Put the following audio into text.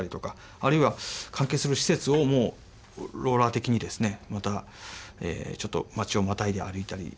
あるいは関係する施設をもうローラー的にですねまたちょっと町をまたいで歩いたり。